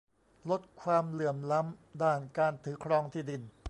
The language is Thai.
ลดความเหลื่อมล้ำด้านการถือครองที่ดิน